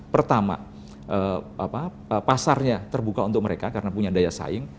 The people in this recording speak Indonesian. pertama pasarnya terbuka untuk mereka karena punya daya saing